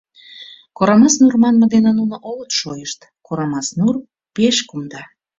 Корамас нур манме дене нуно огыт шойышт: Корамас нур — пеш кумда.